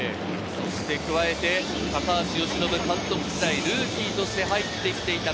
加えて高橋由伸監督時代、ルーキーとして入って来ていた、